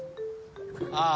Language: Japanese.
ああ。